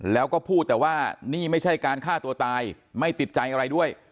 แล้วก็พูดแต่ว่านี่ไม่ใช่การฆ่าตัวตายไม่ติดใจอะไรด้วย